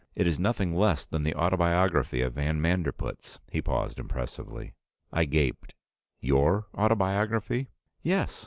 It is nothing less than the autobiography of van Manderpootz!" He paused impressively. I gaped. "Your autobiography?" "Yes.